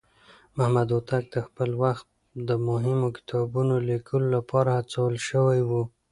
محمد هوتک د خپل وخت د مهمو کتابونو ليکلو لپاره هڅول شوی و.